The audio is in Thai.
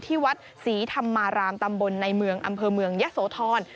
ที่วัดศรีธรรมารามตำบลในเมืองอำเภอเมืองยะโสธร